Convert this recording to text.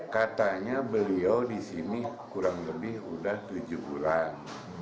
katanya beliau disini kurang lebih udah tujuh bulan